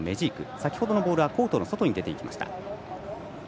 先ほどのボールはコートの外へ出ていきました。